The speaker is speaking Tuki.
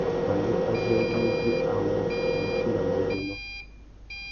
Pandú azê ngu mú djï awô, ngu mú timba mbérénó.